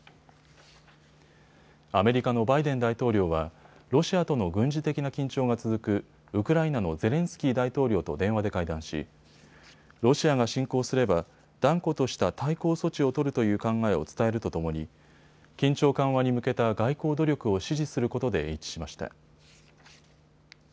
アメリカのバイデン大統領はロシアとの軍事的な緊張が続くウクライナのゼレンスキー大統領と電話で会談しロシアが侵攻すれば断固とした対抗措置を取るという考えを伝えるとともに緊張緩和に向けた外交努力を支持することで一致しました。